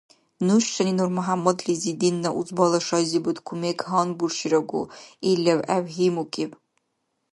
Нушани НурмяхӀяммадлизи динна узбала шайзибад кумек гьанбуширагу, ил левгӀев гьимукӀиб.